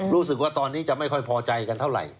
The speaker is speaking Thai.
รู้สึกว่าตอนนี้จะไม่ค่อยพอใจกันเท่าไหร่